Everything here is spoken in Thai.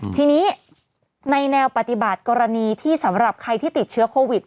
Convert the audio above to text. ทีนี้ในแนวปฏิบัติกรณีที่สำหรับใครที่ติดเชื้อโควิด